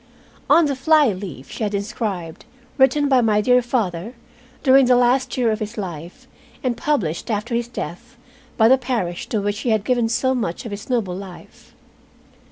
On the fly leaf she had inscribed, "Written by my dear father during the last year of his life, and published after his death by the parish to which he had given so much of his noble life."